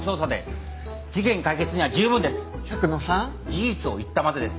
事実を言ったまでです。